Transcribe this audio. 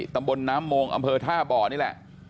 ตำบลน้ำโมงอำเภอท่าบ่อนี่แหละ